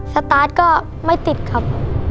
สตาร์ทก็ไม่ติดครับ